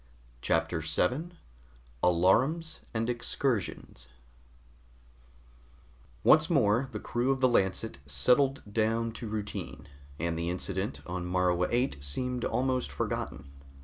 CHAPTER 7 ALARUMS AND EXCURSIONS Once more the crew of the Lancet settled down to routine, and the incident on Morua VIII seemed almost forgotten.